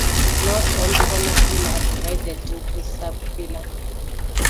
Not all fauna phyla are divided into subphyla.